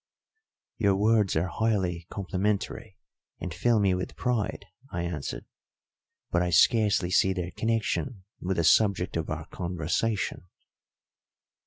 "Your words are highly complimentary and fill me with pride," I answered, "but I scarcely see their connection with the subject of our conversation."